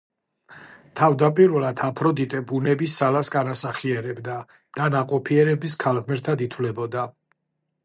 თავდაპირველად აფროდიტე ბუნების ძალას განასახიერებდა და ნაყოფიერების ქალღმერთად ითვლებოდა.